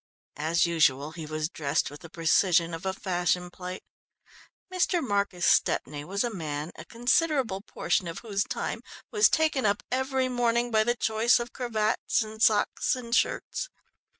As usual, he was dressed with the precision of a fashion plate. Mr. Marcus Stepney was a man, a considerable portion of whose time was taken up every morning by the choice of cravats and socks and shirts.